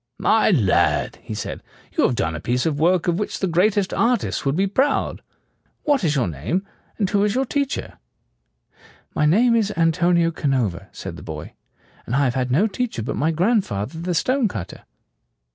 "My lad," he said, "you have done a piece of work of which the greatest artists would be proud. What is your name, and who is your teacher?" "My name is Antonio Canova," said the boy, "and I have had no teacher but my grandfather the stonecutter."